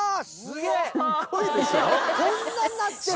こんなになってる。